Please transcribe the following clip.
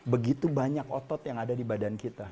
begitu banyak otot yang ada di badan kita